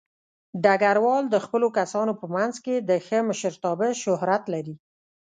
ډګروال د خپلو کسانو په منځ کې د ښه مشرتابه شهرت لري.